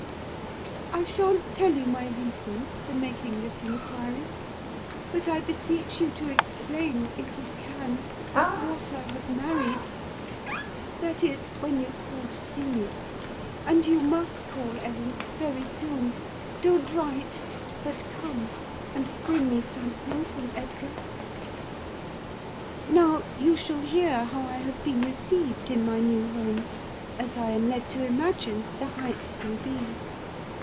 I sha'n't tell my reasons for making this inquiry; but I beseech you to explain, if you can, what I have married: that is, when you call to see me; and you must call, Ellen, very soon. Don't write, but come, and bring me something from Edgar. Now, you shall hear how I have been received in my new home, as I am led to imagine the Heights will be.